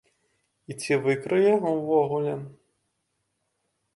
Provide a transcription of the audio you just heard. І ці выкрые, увогуле?